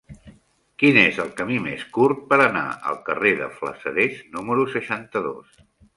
Quin és el camí més curt per anar al carrer de Flassaders número seixanta-dos?